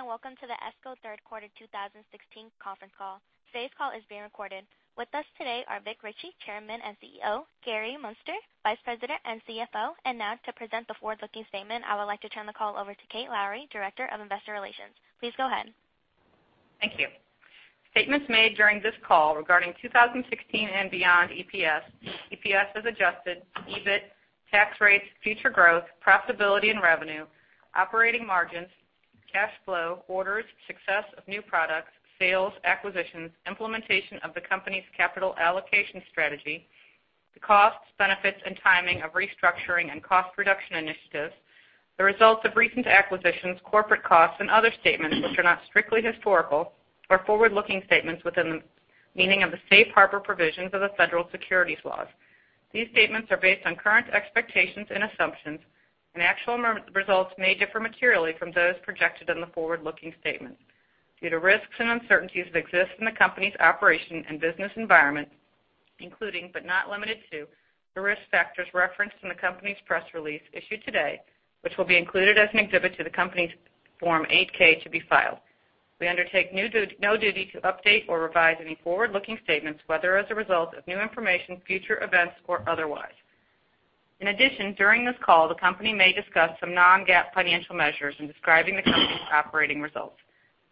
Today and welcome to the ESCO third quarter 2016 conference call. Today's call is being recorded. With us today are Vic Richey, Chairman and CEO, Gary Muenster, Vice President and CFO, and now, to present the forward-looking statement, I would like to turn the call over to Kate Lowrey, Director of Investor Relations. Please go ahead. Thank you. Statements made during this call regarding 2016 and beyond EPS: EPS as adjusted, EBIT, tax rates, future growth, profitability and revenue, operating margins, cash flow, orders, success of new products, sales, acquisitions, implementation of the company's capital allocation strategy, the costs, benefits, and timing of restructuring and cost reduction initiatives, the results of recent acquisitions, corporate costs, and other statements which are not strictly historical but forward-looking statements within the meaning of the safe harbor provisions of the federal securities laws. These statements are based on current expectations and assumptions, and actual results may differ materially from those projected in the forward-looking statement. Due to risks and uncertainties that exist in the company's operation and business environment, including but not limited to, the risk factors referenced in the company's press release issued today, which will be included as an exhibit to the company's Form 8-K to be filed. We undertake no duty to update or revise any forward-looking statements, whether as a result of new information, future events, or otherwise. In addition, during this call, the company may discuss some non-GAAP financial measures in describing the company's operating results.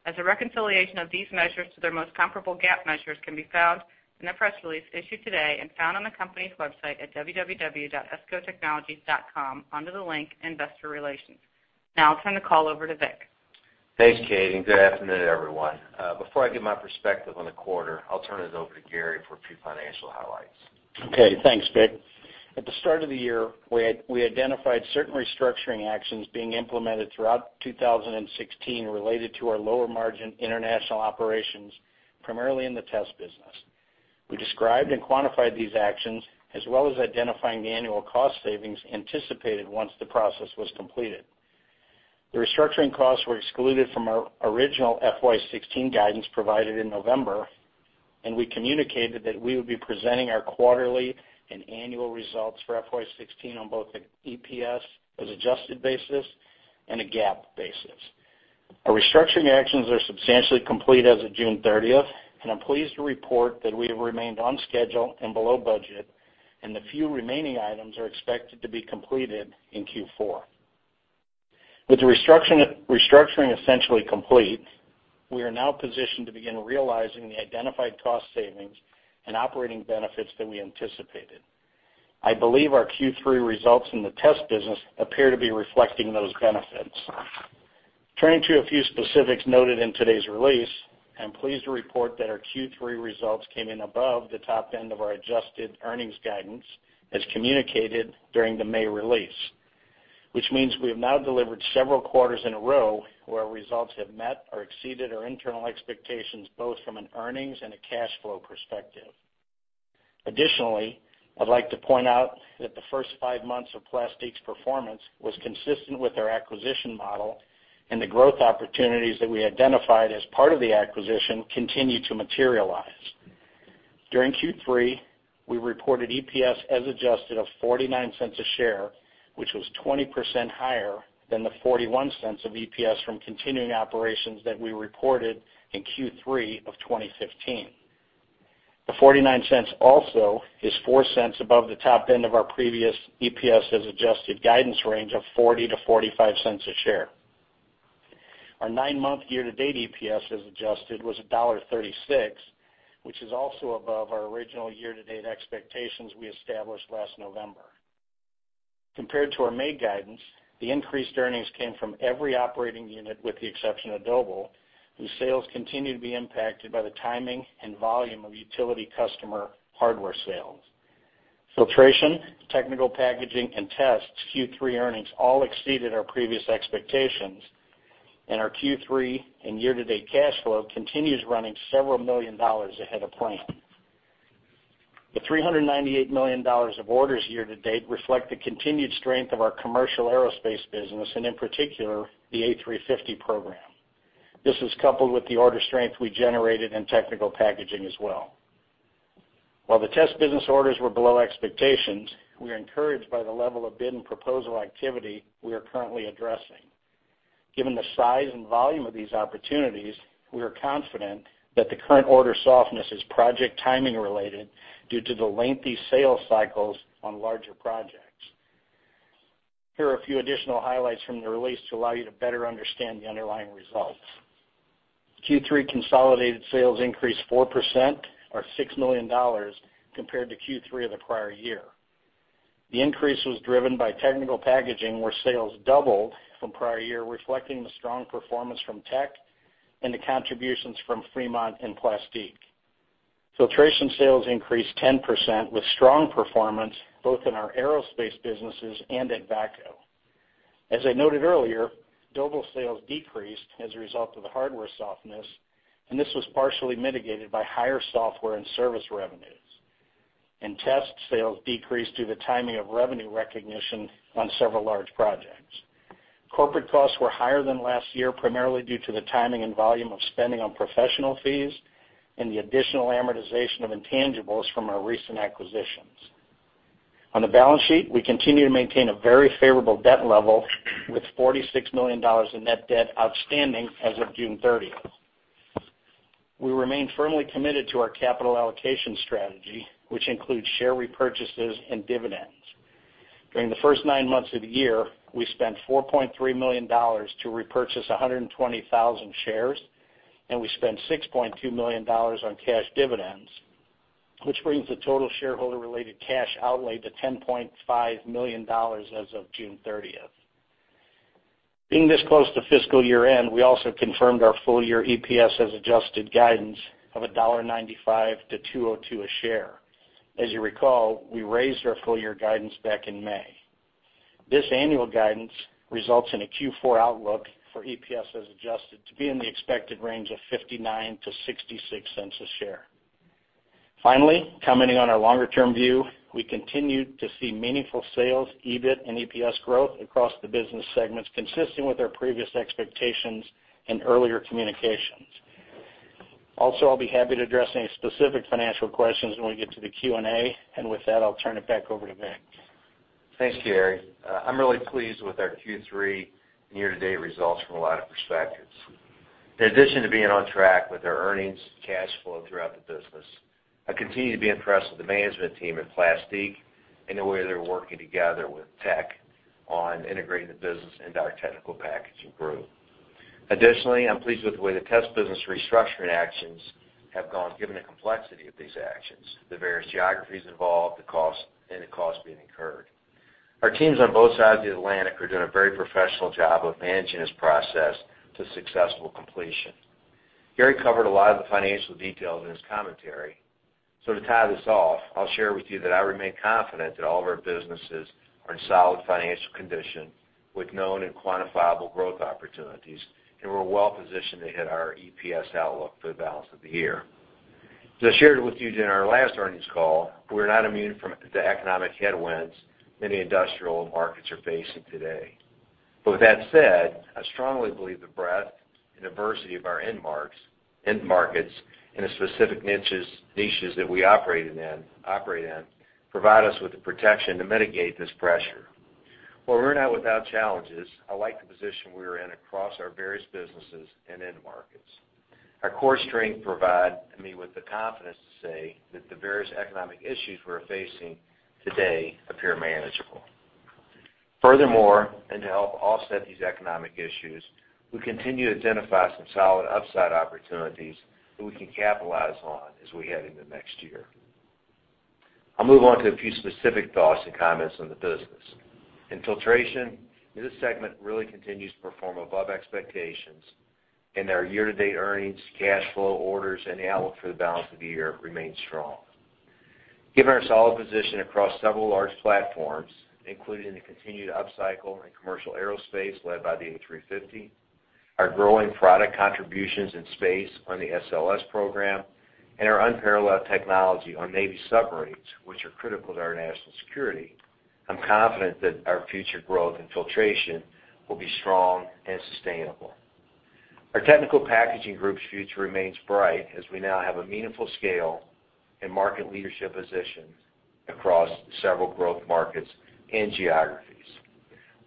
As a reconciliation of these measures to their most comparable GAAP measures can be found in the press release issued today and found on the company's website at www.escotechnologies.com under the link Investor Relations. Now I'll turn the call over to Vic. Thanks, Kate, and good afternoon, everyone. Before I give my perspective on the quarter, I'll turn it over to Gary for a few financial highlights. Okay, thanks, Vic. At the start of the year, we identified certain restructuring actions being implemented throughout 2016 related to our lower margin international operations, primarily in the test business. We described and quantified these actions as well as identifying the annual cost savings anticipated once the process was completed. The restructuring costs were excluded from our original FY16 guidance provided in November, and we communicated that we would be presenting our quarterly and annual results for FY16 on both an EPS as adjusted basis and a GAAP basis. Our restructuring actions are substantially complete as of June 30, and I'm pleased to report that we have remained on schedule and below budget, and the few remaining items are expected to be completed in Q4. With the restructuring essentially complete, we are now positioned to begin realizing the identified cost savings and operating benefits that we anticipated. I believe our Q3 results in the test business appear to be reflecting those benefits. Turning to a few specifics noted in today's release, I'm pleased to report that our Q3 results came in above the top end of our adjusted earnings guidance as communicated during the May release, which means we have now delivered several quarters in a row where results have met or exceeded our internal expectations both from an earnings and a cash flow perspective. Additionally, I'd like to point out that the first five months of Plastique's performance was consistent with our acquisition model, and the growth opportunities that we identified as part of the acquisition continue to materialize. During Q3, we reported EPS as adjusted of $0.49 a share, which was 20% higher than the $0.41 of EPS from continuing operations that we reported in Q3 of 2015. The $0.49 also is $0.04 above the top end of our previous EPS as adjusted guidance range of $0.40-$0.45 a share. Our nine-month year-to-date EPS as adjusted was $1.36, which is also above our original year-to-date expectations we established last November. Compared to our May guidance, the increased earnings came from every operating unit, with the exception of Doble, whose sales continue to be impacted by the timing and volume of utility customer hardware sales. Filtration, Technical Packaging, and Test Q3 earnings all exceeded our previous expectations, and our Q3 and year-to-date cash flow continues running $several million ahead of plan. The $398 million of orders year-to-date reflect the continued strength of our commercial aerospace business and, in particular, the A350 program. This is coupled with the order strength we generated in Technical Packaging as well. While the test business orders were below expectations, we are encouraged by the level of bid and proposal activity we are currently addressing. Given the size and volume of these opportunities, we are confident that the current order softness is project timing related due to the lengthy sales cycles on larger projects. Here are a few additional highlights from the release to allow you to better understand the underlying results. Q3 consolidated sales increased 4% or $6 million compared to Q3 of the prior year. The increase was driven by technical packaging, where sales doubled from prior year, reflecting the strong performance from TEQ and the contributions from Fremont and Plastique. Filtration sales increased 10% with strong performance both in our aerospace businesses and at VACCO. As I noted earlier, Doble sales decreased as a result of the hardware softness, and this was partially mitigated by higher software and service revenues. Test sales decreased due to the timing of revenue recognition on several large projects. Corporate costs were higher than last year, primarily due to the timing and volume of spending on professional fees and the additional amortization of intangibles from our recent acquisitions. On the balance sheet, we continue to maintain a very favorable debt level, with $46 million in net debt outstanding as of June 30. We remain firmly committed to our capital allocation strategy, which includes share repurchases and dividends. During the first nine months of the year, we spent $4.3 million to repurchase 120,000 shares, and we spent $6.2 million on cash dividends, which brings the total shareholder-related cash outlay to $10.5 million as of June 30. Being this close to fiscal year-end, we also confirmed our full-year EPS as adjusted guidance of $1.95-$2.02 a share. As you recall, we raised our full-year guidance back in May. This annual guidance results in a Q4 outlook for EPS as adjusted to be in the expected range of $0.59-$0.66 a share. Finally, commenting on our longer-term view, we continue to see meaningful sales, EBIT, and EPS growth across the business segments, consistent with our previous expectations and earlier communications. Also, I'll be happy to address any specific financial questions when we get to the Q&A, and with that, I'll turn it back over to Vic. Thanks, Gary. I'm really pleased with our Q3 and year-to-date results from a lot of perspectives. In addition to being on track with our earnings, cash flow throughout the business, I continue to be impressed with the management team at Plastics and the way they're working together with tech on integrating the business into our technical packaging group. Additionally, I'm pleased with the way the test business restructuring actions have gone given the complexity of these actions, the various geographies involved, and the costs being incurred. Our teams on both sides of the Atlantic are doing a very professional job of managing this process to successful completion. Gary covered a lot of the financial details in his commentary, so to tie this off, I'll share with you that I remain confident that all of our businesses are in solid financial condition with known and quantifiable growth opportunities, and we're well positioned to hit our EPS outlook for the balance of the year. As I shared with you during our last earnings call, we're not immune from the economic headwinds many industrial markets are facing today. But with that said, I strongly believe the breadth and diversity of our end markets and the specific niches that we operate in provide us with the protection to mitigate this pressure. While we're not without challenges, I like the position we are in across our various businesses and end markets. Our core strengths provide me with the confidence to say that the various economic issues we're facing today appear manageable. Furthermore, and to help offset these economic issues, we continue to identify some solid upside opportunities that we can capitalize on as we head into next year. I'll move on to a few specific thoughts and comments on the business. In filtration, this segment really continues to perform above expectations, and our year-to-date earnings, cash flow, orders, and outlook for the balance of the year remain strong. Given our solid position across several large platforms, including the continued upcycle in commercial aerospace led by the A350, our growing product contributions in space on the SLS program, and our unparalleled technology on Navy submarines, which are critical to our national security, I'm confident that our future growth in filtration will be strong and sustainable. Our technical packaging group's future remains bright as we now have a meaningful scale and market leadership position across several growth markets and geographies.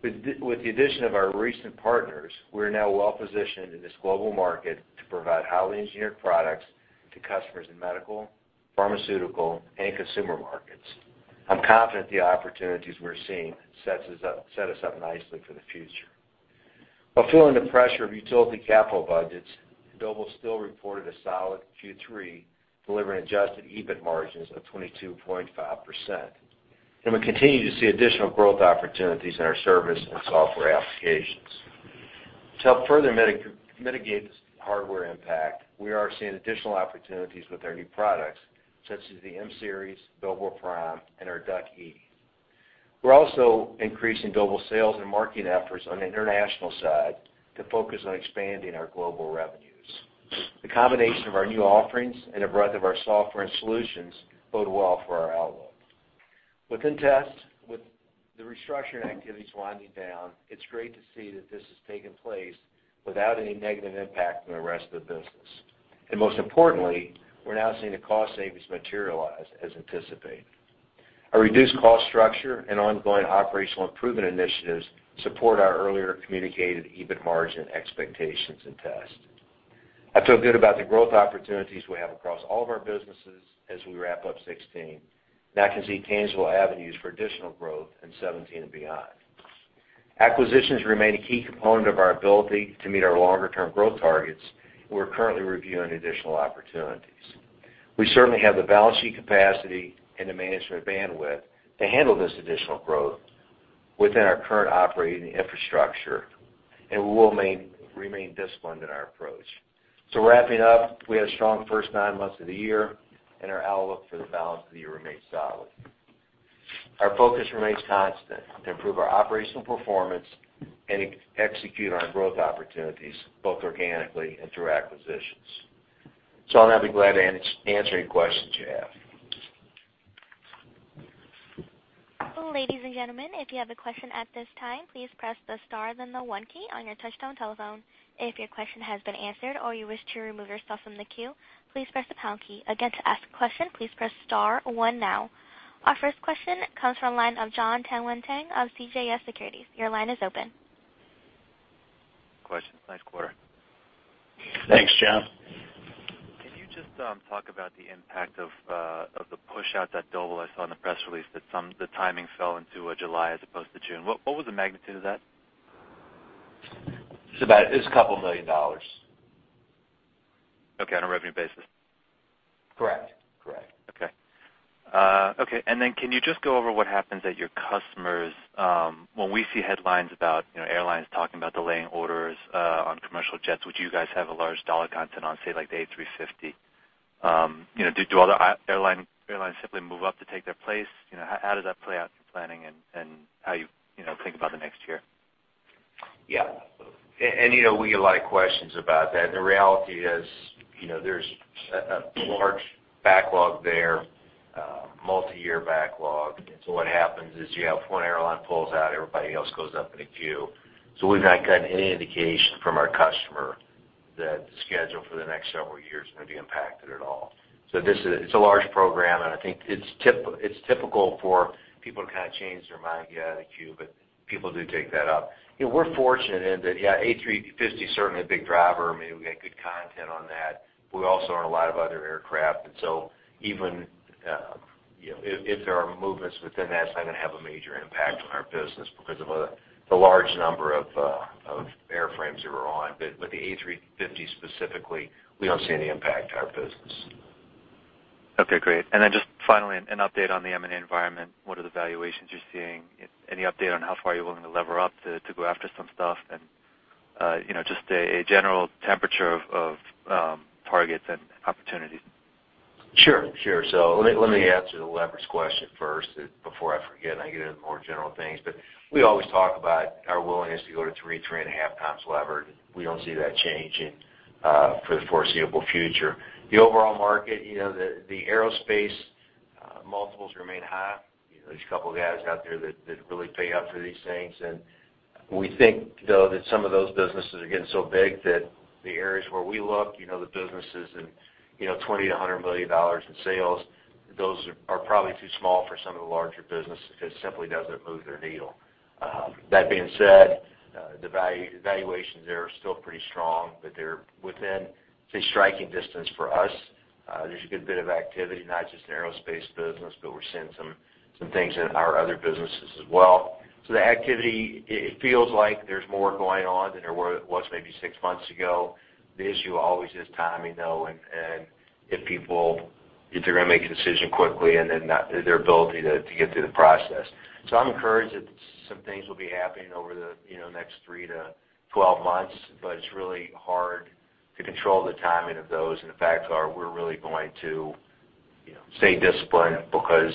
With the addition of our recent partners, we are now well positioned in this global market to provide highly engineered products to customers in medical, pharmaceutical, and consumer markets. I'm confident the opportunities we're seeing set us up nicely for the future. While feeling the pressure of utility capital budgets, Doble still reported a solid Q3 delivering adjusted EBIT margins of 22.5%, and we continue to see additional growth opportunities in our service and software applications. To help further mitigate this hardware impact, we are seeing additional opportunities with our new products, such as the M-Series, doblePRIME, and our DUC. We're also increasing Doble sales and marketing efforts on the international side to focus on expanding our global revenues. The combination of our new offerings and the breadth of our software and solutions bode well for our outlook. Within test, with the restructuring activities winding down, it's great to see that this has taken place without any negative impact on the rest of the business. Most importantly, we're now seeing the cost savings materialize as anticipated. Our reduced cost structure and ongoing operational improvement initiatives support our earlier communicated EBIT margin expectations in test. I feel good about the growth opportunities we have across all of our businesses as we wrap up 2016, and I can see tangible avenues for additional growth in 2017 and beyond. Acquisitions remain a key component of our ability to meet our longer-term growth targets, and we're currently reviewing additional opportunities. We certainly have the balance sheet capacity and the management bandwidth to handle this additional growth within our current operating infrastructure, and we will remain disciplined in our approach. Wrapping up, we have a strong first nine months of the year, and our outlook for the balance of the year remains solid. Our focus remains constant to improve our operational performance and execute on our growth opportunities, both organically and through acquisitions. I'll now be glad to answer any questions you have. Ladies and gentlemen, if you have a question at this time, please press the star and then the one key on your touch-tone telephone. If your question has been answered or you wish to remove yourself from the queue, please press the pound key. Again, to ask a question, please press star one now. Our first question comes from a line of Jonathan Tanwanteng of CJS Securities. Your line is open. Questions. Nice quarter. Thanks, John. Can you just talk about the impact of the push outs at Doble? I saw in the press release that the timing fell into July as opposed to June? What was the magnitude of that? It's about $2 million. Okay. On a revenue basis? Correct. Correct. Okay. Okay. And then can you just go over what happens at your customers when we see headlines about airlines talking about delaying orders on commercial jets? Would you guys have a large dollar content on, say, the A350? Do other airlines simply move up to take their place? How does that play out in planning and how you think about the next year? Yeah. We get a lot of questions about that. The reality is there's a large backlog there, multi-year backlog. What happens is you have one airline pulls out, everybody else goes up in a queue. We've not gotten any indication from our customer that the schedule for the next several years may be impacted at all. It's a large program, and I think it's typical for people to kind of change their mind, get out of the queue, but people do take that up. We're fortunate in that, yeah, A350 is certainly a big driver. I mean, we get good content on that, but we also own a lot of other aircraft. Even if there are movements within that, it's not going to have a major impact on our business because of the large number of airframes that we're on. But the A350 specifically, we don't see any impact to our business. Okay. Great. And then just finally, an update on the M&A environment. What are the valuations you're seeing? Any update on how far you're willing to lever up to go after some stuff and just a general temperature of targets and opportunities? Sure. Sure. So let me answer the leverage question first before I forget. I get into more general things. But we always talk about our willingness to go to 3-3.5x levered. We don't see that changing for the foreseeable future. The overall market, the aerospace multiples remain high. There's a couple of guys out there that really pay up for these things. And we think, though, that some of those businesses are getting so big that the areas where we look, the businesses in $20 million-$100 million in sales, those are probably too small for some of the larger businesses because it simply doesn't move their needle. That being said, the valuations are still pretty strong, but they're within, say, striking distance for us. There's a good bit of activity, not just in the aerospace business, but we're seeing some things in our other businesses as well. So the activity, it feels like there's more going on than there was maybe six months ago. The issue always is timing, though, and if people, they're going to make a decision quickly and then their ability to get through the process. So I'm encouraged that some things will be happening over the next three to 12 months, but it's really hard to control the timing of those. The facts are, we're really going to stay disciplined because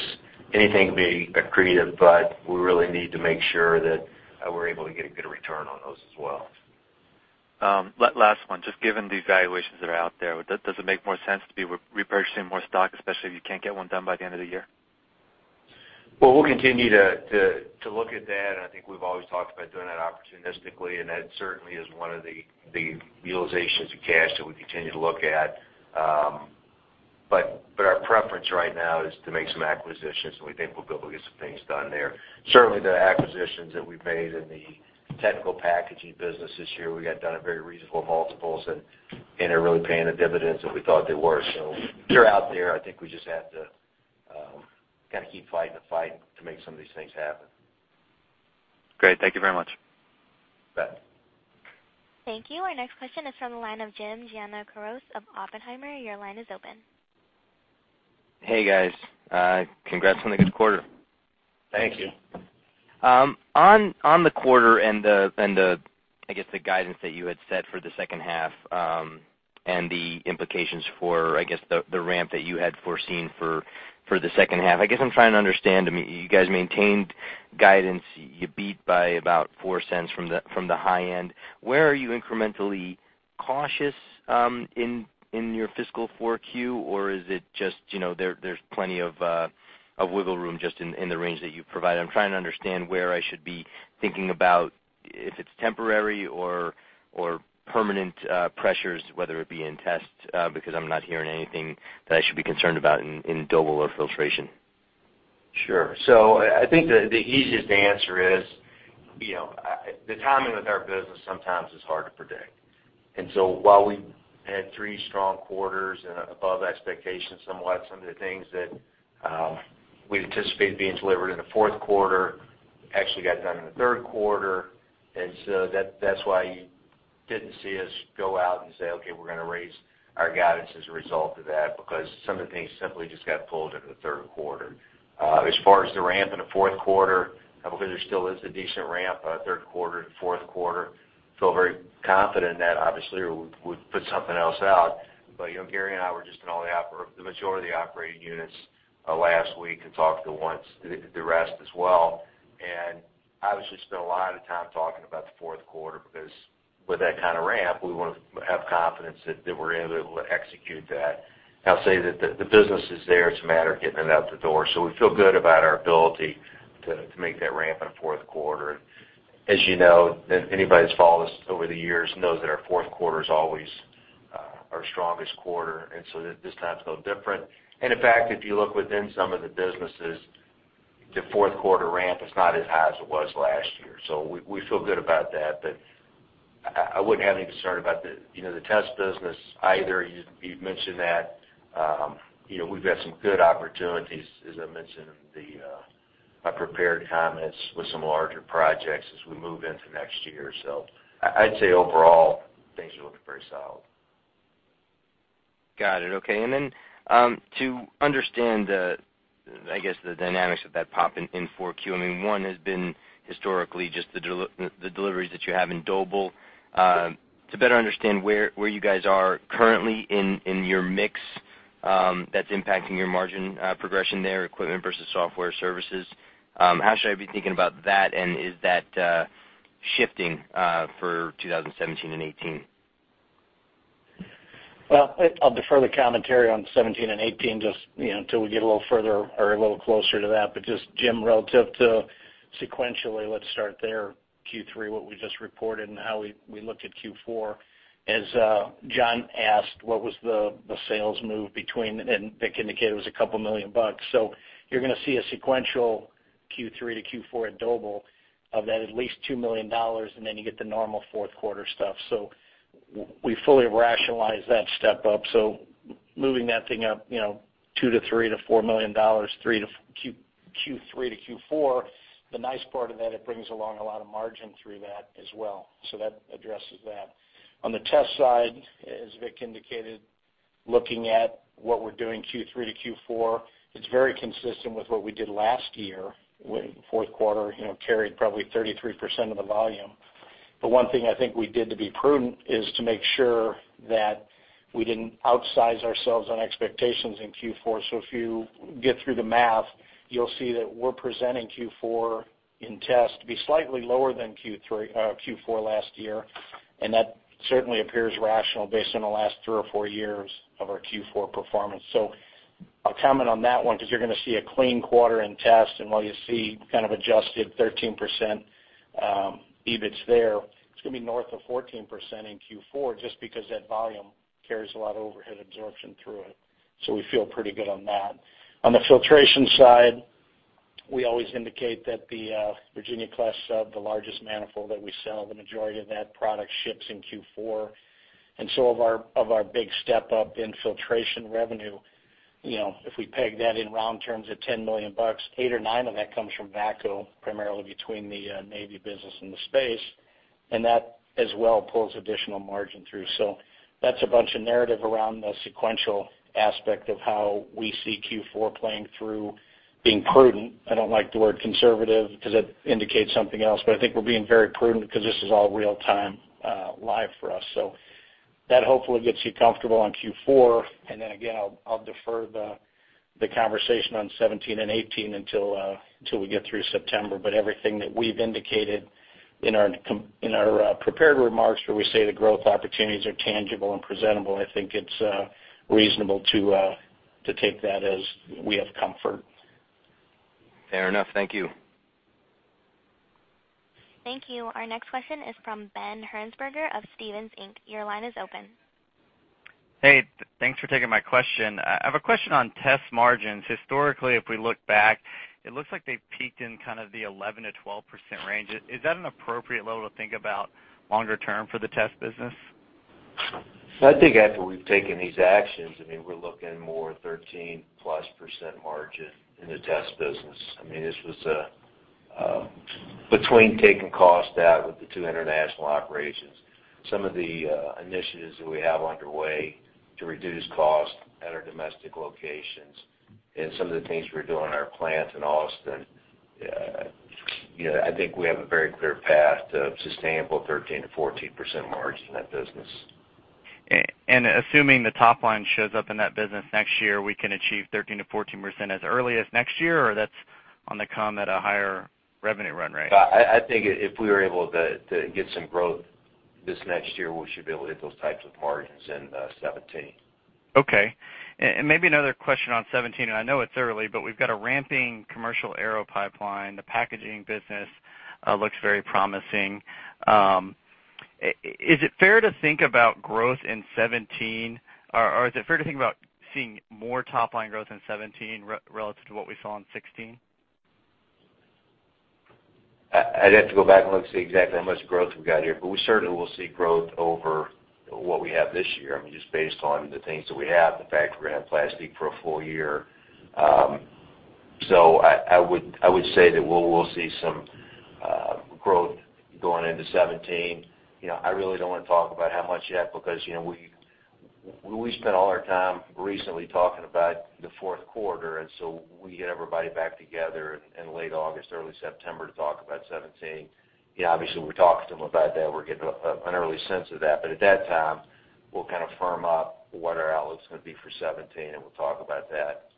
anything could be creative, but we really need to make sure that we're able to get a good return on those as well. Last one. Just given the valuations that are out there, does it make more sense to be repurchasing more stock, especially if you can't get one done by the end of the year? Well, we'll continue to look at that. And I think we've always talked about doing that opportunistically, and that certainly is one of the utilizations of cash that we continue to look at. But our preference right now is to make some acquisitions, and we think we'll be able to get some things done there. Certainly, the acquisitions that we've made in the technical packaging business this year, we got done at very reasonable multiples and are really paying the dividends that we thought they were. So they're out there. I think we just have to kind of keep fighting the fight to make some of these things happen. Great. Thank you very much. Bye. Thank you. Our next question is from the line of Jim Giannakouros of Oppenheimer. Your line is open. Hey, guys. Congrats on the good quarter. Thank you. On the quarter and, I guess, the guidance that you had set for the second half and the implications for, I guess, the ramp that you had foreseen for the second half, I guess I'm trying to understand. I mean, you guys maintained guidance. You beat by about $0.04 from the high end. Where are you incrementally cautious in your fiscal forecast? Or is it just there's plenty of wiggle room just in the range that you provide? I'm trying to understand where I should be thinking about if it's temporary or permanent pressures, whether it be in test, because I'm not hearing anything that I should be concerned about in Doble or filtration. Sure. So I think the easiest answer is the timing with our business sometimes is hard to predict. And so while we had three strong quarters and above expectations somewhat, some of the things that we anticipated being delivered in the fourth quarter actually got done in the third quarter. And so that's why you didn't see us go out and say, "Okay, we're going to raise our guidance as a result of that," because some of the things simply just got pulled in the third quarter. As far as the ramp in the fourth quarter, I believe there still is a decent ramp in the third quarter and fourth quarter. I feel very confident in that. Obviously, we've put something else out. But Gary and I were just in all the majority of the operating units last week and talked to the rest as well. And obviously, spent a lot of time talking about the fourth quarter because with that kind of ramp, we want to have confidence that we're able to execute that. I'll say that the business is there to matter getting it out the door. So we feel good about our ability to make that ramp in the fourth quarter. As you know, anybody that's followed us over the years knows that our fourth quarter is always our strongest quarter. And so this time is a little different. And in fact, if you look within some of the businesses, the fourth quarter ramp is not as high as it was last year. So we feel good about that. But I wouldn't have any concern about the test business either. You mentioned that we've got some good opportunities, as I mentioned in my prepared comments, with some larger projects as we move into next year. So I'd say overall, things are looking very solid. Got it. Okay. And then to understand, I guess, the dynamics of that pop-in forecast, I mean, one has been historically just the deliveries that you have in Doble. To better understand where you guys are currently in your mix that's impacting your margin progression there, equipment versus software services, how should I be thinking about that? And is that shifting for 2017 and 2018? Well, I'll defer the commentary on 2017 and 2018 just until we get a little further or a little closer to that. But just Jim, relative to sequentially, let's start there, Q3, what we just reported and how we look at Q4. As John asked, what was the sales move between? And the indicator was $2 million. So you're going to see a sequential Q3-Q4 at Doble of at least $2 million, and then you get the normal fourth quarter stuff. So we fully have rationalized that step up. So moving that thing up $2 million-$3 million-$4 million, Q3-Q4, the nice part of that, it brings along a lot of margin through that as well. So that addresses that. On the test side, as Vic indicated, looking at what we're doing Q3-Q4, it's very consistent with what we did last year. Fourth quarter carried probably 33% of the volume. But one thing I think we did to be prudent is to make sure that we didn't outsize ourselves on expectations in Q4. So if you get through the math, you'll see that we're presenting Q4 in test to be slightly lower than Q4 last year. And that certainly appears rational based on the last three or four years of our Q4 performance. So I'll comment on that one because you're going to see a clean quarter in test. And while you see kind of adjusted 13% EBITs there, it's going to be north of 14% in Q4 just because that volume carries a lot of overhead absorption through it. So we feel pretty good on that. On the filtration side, we always indicate that the Virginia Class Sub, the largest manifold that we sell, the majority of that product ships in Q4. And so of our big step-up in filtration revenue, if we peg that in round terms at $10 million, eight or nine of that comes from VACCO, primarily between the Navy business and the space. And that as well pulls additional margin through. So that's a bunch of narrative around the sequential aspect of how we see Q4 playing through being prudent. I don't like the word conservative because that indicates something else. But I think we're being very prudent because this is all real-time, live for us. So that hopefully gets you comfortable on Q4. And then again, I'll defer the conversation on 2017 and 2018 until we get through September. Everything that we've indicated in our prepared remarks where we say the growth opportunities are tangible and presentable, I think it's reasonable to take that as we have comfort. Fair enough. Thank you. Thank you. Our next question is from Ben Hearnsberger of Stephens, Inc. Your line is open. Hey, thanks for taking my question. I have a question on test margins. Historically, if we look back, it looks like they've peaked in kind of the 11%-12% range. Is that an appropriate level to think about longer term for the test business? I think after we've taken these actions, I mean, we're looking more 13%+ margin in the test business. I mean, this was between taking cost out with the two international operations. Some of the initiatives that we have underway to reduce cost at our domestic locations and some of the things we're doing in our plant in Austin, I think we have a very clear path to a sustainable 13%-14% margin in that business. Assuming the top line shows up in that business next year, we can achieve 13%-14% as early as next year, or that's on the come at a higher revenue run rate? I think if we were able to get some growth this next year, we should be able to hit those types of margins in 2017. Okay. And maybe another question on 2017. I know it's early, but we've got a ramping commercial aero pipeline. The packaging business looks very promising. Is it fair to think about growth in 2017, or is it fair to think about seeing more top-line growth in 2017 relative to what we saw in 2016? I'd have to go back and look and see exactly how much growth we've got here. But we certainly will see growth over what we have this year, I mean, just based on the things that we have, the fact that we're going to have Plastics for a full year. So I would say that we'll see some growth going into 2017. I really don't want to talk about how much yet because we spent all our time recently talking about the fourth quarter. And so we get everybody back together in late August, early September to talk about 2017. Obviously, we're talking to them about that. We're getting an early sense of that. But at that time, we'll kind of firm up what our outlook is going to be for 2017, and we'll talk about that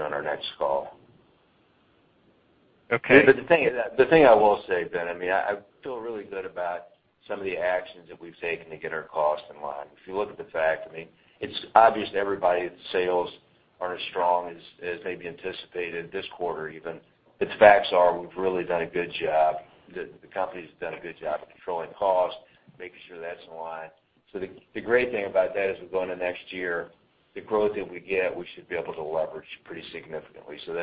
on our next call. Okay. But the thing I will say, Ben, I mean, I feel really good about some of the actions that we've taken to get our cost in line. If you look at the fact, I mean, it's obvious everybody's sales aren't as strong as maybe anticipated this quarter even. But the facts are, we've really done a good job. The company's done a good job controlling costs, making sure that's in line. So the great thing about that is we go into next year, the growth that we get, we should be able to leverage pretty significantly. So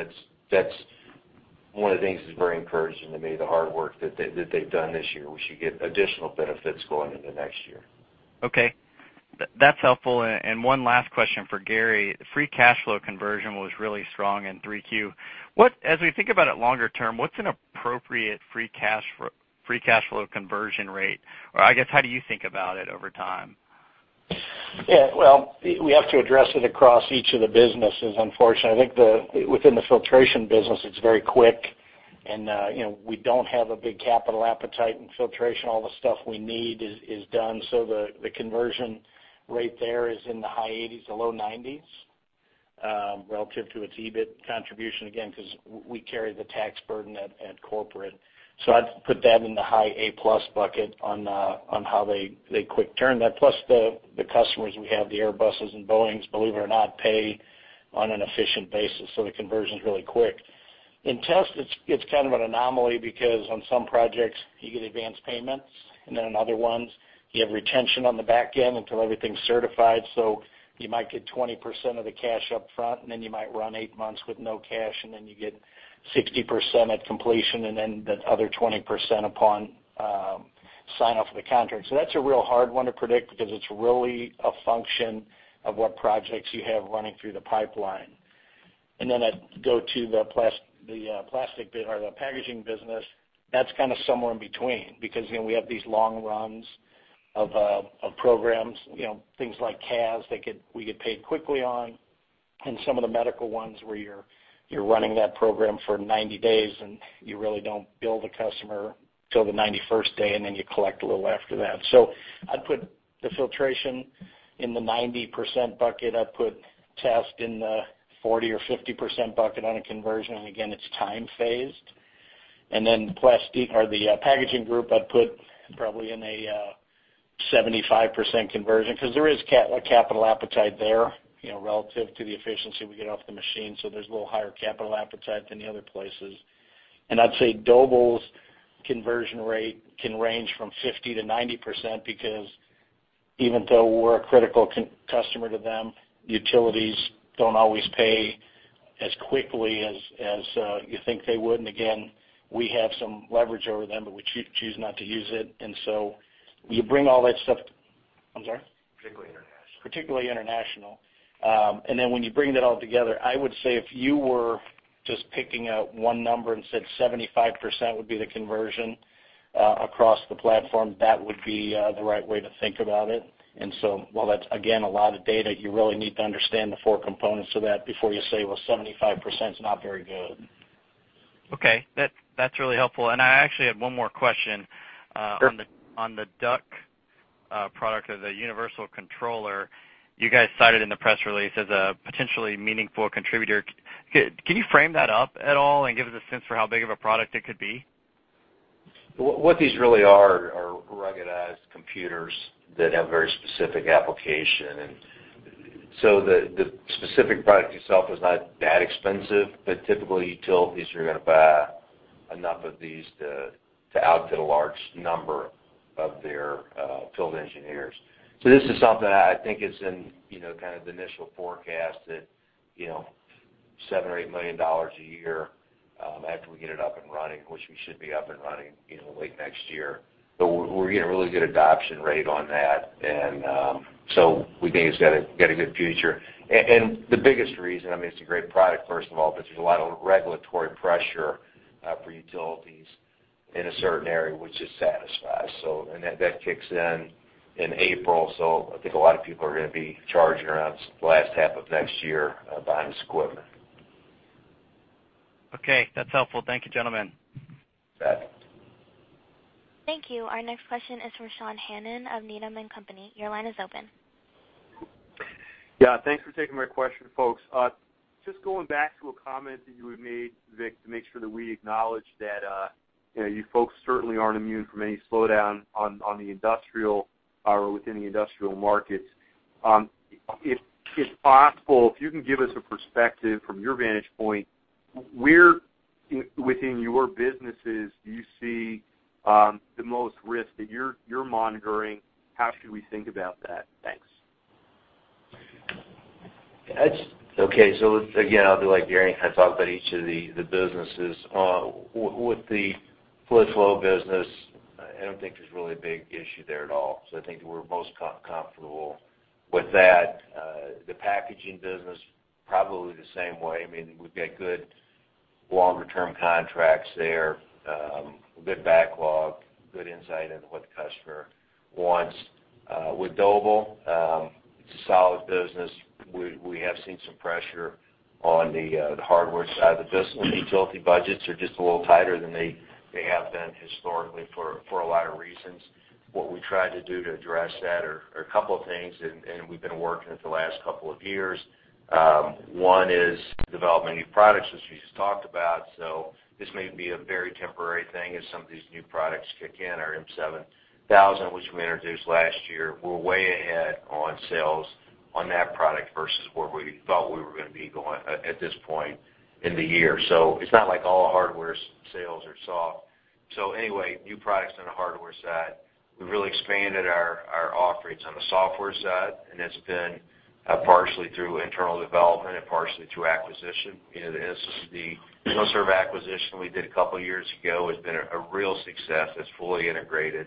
that's one of the things that's very encouraging to me, the hard work that they've done this year. We should get additional benefits going into next year. Okay. That's helpful. And one last question for Gary. Free cash flow conversion was really strong in 3Q. As we think about it longer term, what's an appropriate free cash flow conversion rate? Or I guess, how do you think about it over time? Yeah. Well, we have to address it across each of the businesses, unfortunately. I think within the filtration business, it's very quick. And we don't have a big capital appetite in filtration. All the stuff we need is done. So the conversion rate there is in the high 80s, the low 90s, relative to its EBIT contribution, again, because we carry the tax burden at corporate. So I'd put that in the high A+ bucket on how they quick-turn that. Plus, the customers we have, the Airbuses and Boeings, believe it or not, pay on an efficient basis. So the conversion is really quick. In test, it's kind of an anomaly because on some projects, you get advanced payments. And then on other ones, you have retention on the back end until everything's certified. So you might get 20% of the cash upfront, and then you might run eight months with no cash, and then you get 60% at completion, and then the other 20% upon sign-off of the contract. So that's a real hard one to predict because it's really a function of what projects you have running through the pipeline. And then I'd go to the plastic or the packaging business. That's kind of somewhere in between because we have these long runs of programs, things like CAS that we get paid quickly on. And some of the medical ones where you're running that program for 90 days, and you really don't bill the customer till the 91st day, and then you collect a little after that. So I'd put the filtration in the 90% bucket. I'd put test in the 40 or 50% bucket on a conversion. Again, it's time-phased. Then the plastic or the packaging group, I'd put probably in a 75% conversion because there is a capital appetite there relative to the efficiency we get off the machine. So there's a little higher capital appetite than the other places. I'd say Doble's conversion rate can range from 50%-90% because even though we're a critical customer to them, utilities don't always pay as quickly as you think they would. Again, we have some leverage over them, but we choose not to use it. So you bring all that stuff. I'm sorry? Particularly international. Particularly international. And then when you bring that all together, I would say if you were just picking out one number and said 75% would be the conversion across the platform, that would be the right way to think about it. And so while that's, again, a lot of data, you really need to understand the four components of that before you say, "Well, 75% is not very good. Okay. That's really helpful. And I actually had one more question. On the DUC product of the universal controller, you guys cited in the press release as a potentially meaningful contributor. Can you frame that up at all and give us a sense for how big of a product it could be? What these really are are ruggedized computers that have a very specific application. So the specific product itself is not that expensive, but typically, you tell these you're going to buy enough of these to outfit a large number of their field engineers. So this is something I think it's in kind of the initial forecast at $7-$8 million a year after we get it up and running, which we should be up and running late next year. So we're getting a really good adoption rate on that. And so we think it's got a good future. And the biggest reason, I mean, it's a great product, first of all, because there's a lot of regulatory pressure for utilities in a certain area, which is satisfied. And that kicks in in April. I think a lot of people are going to be charging around last half of next year behind this equipment. Okay. That's helpful. Thank you, gentlemen. Thank you. Thank you. Our next question is for Sean Hannan of Needham & Company. Your line is open. Yeah. Thanks for taking my question, folks. Just going back to a comment that you had made, Vic, to make sure that we acknowledge that you folks certainly aren't immune from any slowdown on the industrial or within the industrial markets. If possible, if you can give us a perspective from your vantage point, where within your businesses do you see the most risk that you're monitoring? How should we think about that? Thanks. Okay. So again, I'll do like Gary and I talk about each of the businesses. With the fluid flow business, I don't think there's really a big issue there at all. So I think we're most comfortable with that. The packaging business, probably the same way. I mean, we've got good longer-term contracts there, good backlog, good insight into what the customer wants. With Doble, it's a solid business. We have seen some pressure on the hardware side. The utility budgets are just a little tighter than they have been historically for a lot of reasons. What we tried to do to address that are a couple of things, and we've been working on that the last couple of years. One is developing new products, which we just talked about. So this may be a very temporary thing as some of these new products kick in, our M7000, which we introduced last year. We're way ahead on sales on that product versus where we thought we were going to be going at this point in the year. So it's not like all hardware sales are soft. So anyway, new products on the hardware side. We've really expanded our offerings on the software side, and it's been partially through internal development and partially through acquisition. The SSD, there's no sort of acquisition we did a couple of years ago has been a real success that's fully integrated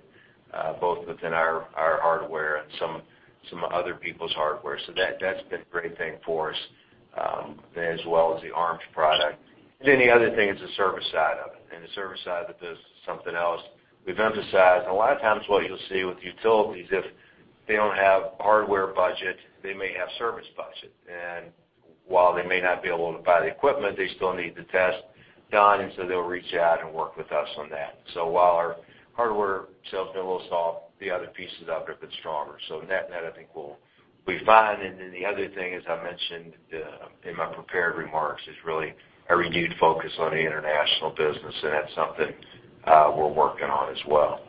both within our hardware and some other people's hardware. So that's been a great thing for us as well as the ARMS product. And then the other thing is the service side of it. And the service side that does something else, we've emphasized a lot of times what you'll see with utilities. If they don't have hardware budget, they may have service budget. And while they may not be able to buy the equipment, they still need the test done. And so they'll reach out and work with us on that. So while our hardware sales have been a little soft, the other pieces of it have been stronger. So net and net, I think we'll be fine. And then the other thing is, I mentioned in my prepared remarks, it's really a renewed focus on the international business, and that's something we're working on as well.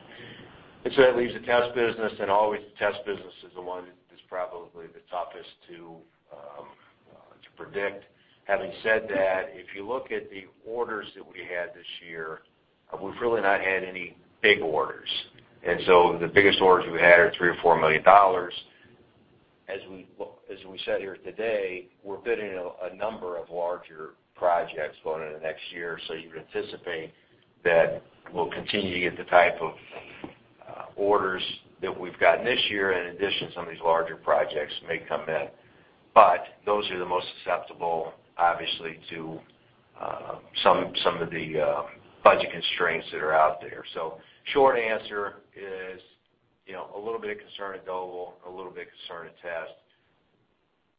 And so that leaves the test business. And always, the test business is the one that is probably the toughest to predict. Having said that, if you look at the orders that we had this year, we've really not had any big orders. And so the biggest orders we had are $3-$4 million. As we sat here today, we're bidding a number of larger projects going into next year. So you'd anticipate that we'll continue to get the type of orders that we've gotten this year. In addition, some of these larger projects may come in. But those are the most susceptible, obviously, to some of the budget constraints that are out there. So short answer is a little bit of concern at Doble, a little bit of concern at test.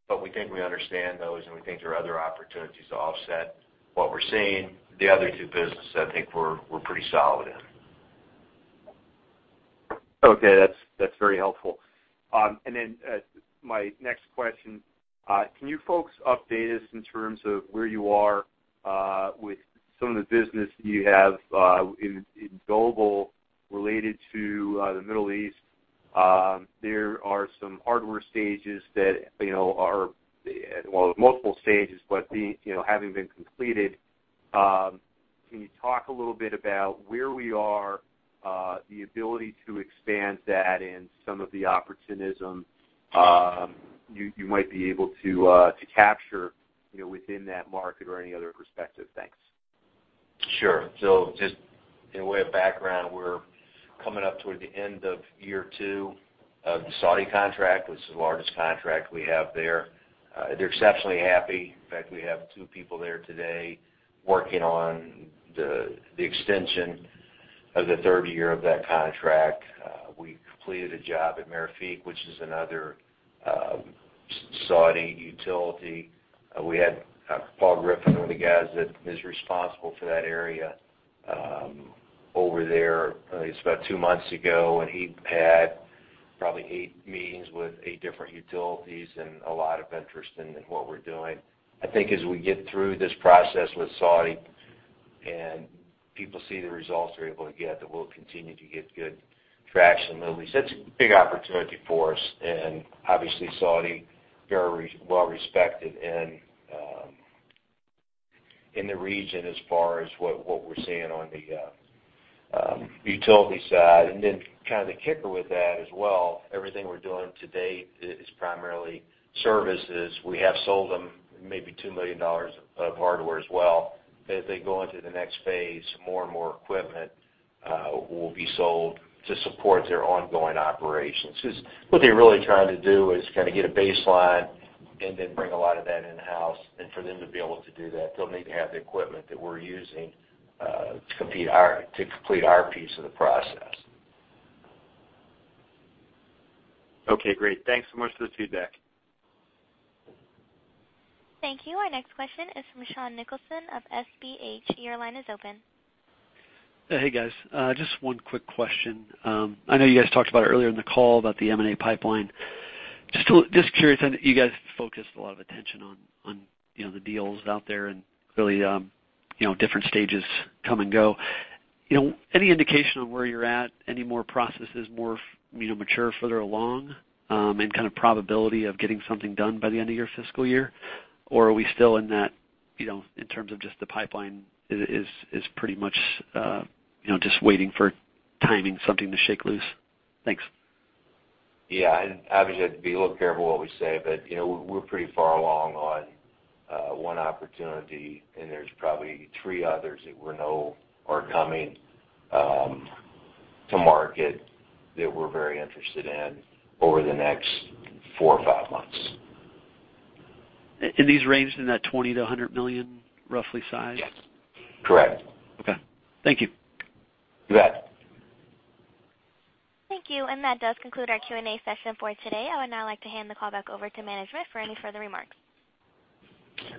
But we think we understand those, and we think there are other opportunities to offset what we're seeing. The other two businesses, I think we're pretty solid in. Okay. That's very helpful. And then my next question, can you folks update us in terms of where you are with some of the business that you have in Doble related to the Middle East? There are some hardware stages that are, multiple stages, but having been completed, can you talk a little bit about where we are, the ability to expand that in some of the opportunism you might be able to capture within that market or any other perspective? Thanks. Sure. So just in a way of background, we're coming up toward the end of year two of the Saudi contract, which is the largest contract we have there. They're exceptionally happy. In fact, we have two people there today working on the extension of the third year of that contract. We completed a job at Marafiq, which is another Saudi utility. We had Paul Griffith, one of the guys that is responsible for that area over there, I think it's about two months ago. And he had probably eight meetings with eight different utilities and a lot of interest in what we're doing. I think as we get through this process with Saudi and people see the results they're able to get, that we'll continue to get good traction. So it's a big opportunity for us. Obviously, Saudi is very well-respected in the region as far as what we're seeing on the utility side. And then kind of the kicker with that as well, everything we're doing today is primarily services. We have sold them maybe $2 million of hardware as well. As they go into the next phase, more and more equipment will be sold to support their ongoing operations. Because what they're really trying to do is kind of get a baseline and then bring a lot of that in-house. And for them to be able to do that, they'll need to have the equipment that we're using to complete our piece of the process. Okay. Great. Thanks so much for the feedback. Thank you. Our next question is from Sean Nicholson of SBH. Your line is open. Hey, guys. Just one quick question. I know you guys talked about it earlier in the call about the M&A pipeline. Just curious, you guys focused a lot of attention on the deals out there and clearly different stages come and go. Any indication on where you're at, any more processes more mature further along and kind of probability of getting something done by the end of your fiscal year? Or are we still in that in terms of just the pipeline is pretty much just waiting for timing something to shake loose? Thanks. Yeah. Obviously, I'd be a little careful what we say, but we're pretty far along on one opportunity. There's probably three others that we know are coming to market that we're very interested in over the next four or five months. These range in that $20 million-$100 million, roughly, size? Yes. Correct. Okay. Thank you. You bet. Thank you. That does conclude our Q&A session for today. I would now like to hand the call back over to management for any further remarks.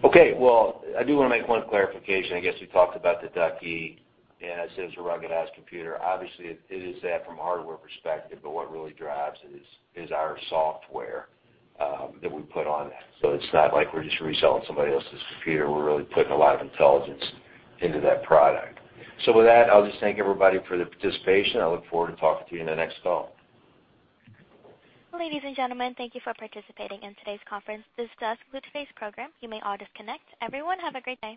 Okay. Well, I do want to make one clarification. I guess we talked about the DUC. And I said it's a ruggedized computer. Obviously, it is that from a hardware perspective, but what really drives it is our software that we put on that. So it's not like we're just reselling somebody else's computer. We're really putting a lot of intelligence into that product. So with that, I'll just thank everybody for the participation. I look forward to talking to you in the next call. Ladies and gentlemen, thank you for participating in today's conference. This does conclude today's program. You may all disconnect. Everyone, have a great day.